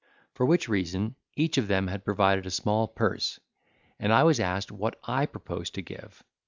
For which reason, each of them had provided a small purse; and I was asked what I proposed to give.